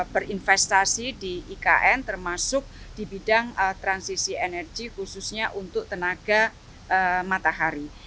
berinvestasi di ikn termasuk di bidang transisi energi khususnya untuk tenaga matahari